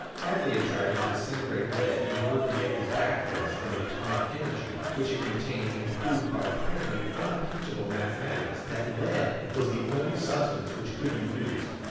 Hadley had tried to disintegrate lead in order to get his back thrust from the atomic energy which it contained and proved by apparently unimpeachable mathematics that lead was the only substance which could be used.